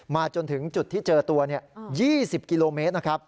จนถึงจุดที่เจอตัว๒๐กิโลเมตรนะครับ